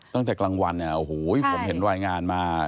ตั้งแต่กลางวันเนี่ยโอ้โหผมเห็นรายงานมา